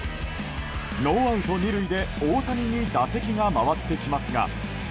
ノーアウト２塁で大谷に打席が回ってきますが。